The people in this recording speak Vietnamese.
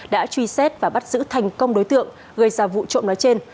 đã truy xét và bắt giữ thành công đối tượng gây ra vụ trộm nói trên